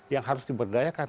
yang harus diberdayakan